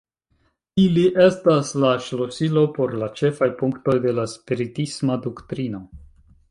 Ili estas la "ŝlosilo" por la ĉefaj punktoj de la spiritisma doktrino.